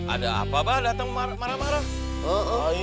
ada apa bang datang marah marah